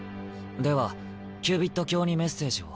ではキュービッド卿にメッセージを。